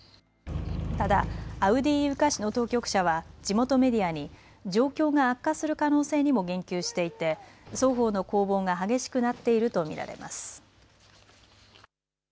ただアウディーイウカ市の当局者は地元メディアに状況が悪化する可能性にも言及していて双方の攻防が激しくなっていると見られます。